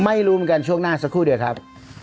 ไม่รู้เหมือนกันช่วงหน้าสักครู่เดี๋ยวครับ